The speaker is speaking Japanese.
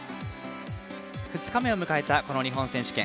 ２日目を迎えた、この日本選手権。